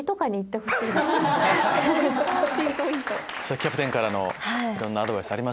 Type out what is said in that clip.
キャプテンからのいろんなアドバイスありましたけど。